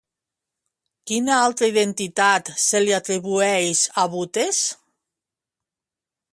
Quina altra identitat se li atribueix a Butes?